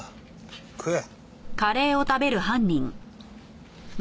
食え。